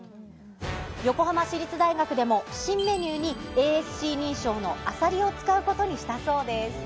横浜市立大学でも、新メニューにＡＳＣ認証のアサリを使うことにしたそうです。